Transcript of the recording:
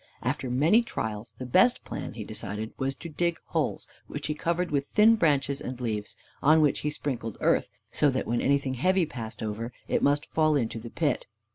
After many trials, the best plan, he decided, was to dig holes, which he covered with thin branches and leaves, on which he sprinkled earth, so that when anything heavy passed over, it must fall into the pit.